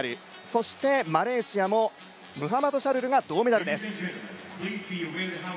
そして、マレーシアもムハマドシャルルが銅メダルです。